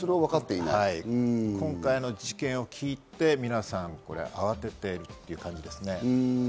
今回の事件を聞いて、皆さん、慌ててということです。